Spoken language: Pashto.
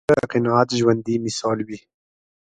نیکه د قناعت ژوندي مثال وي.